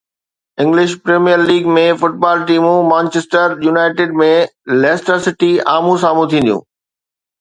English Premier League ۾ football ٽيمون Manchester United ۽ Leicester City آمهون سامهون ٿينديون